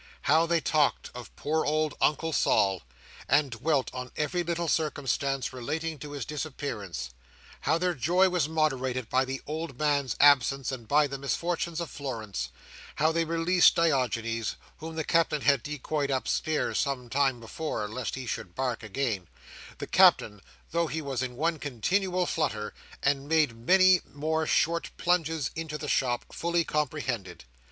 How they talked of poor old Uncle Sol, and dwelt on every little circumstance relating to his disappearance; how their joy was moderated by the old man's absence and by the misfortunes of Florence; how they released Diogenes, whom the Captain had decoyed upstairs some time before, lest he should bark again; the Captain, though he was in one continual flutter, and made many more short plunges into the shop, fully comprehended.